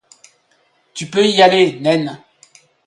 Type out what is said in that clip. Tu peux y aller, naine !